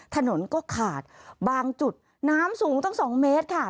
ถนนก็ขาดบางจุดน้ำสูงตั้ง๒เมตรค่ะ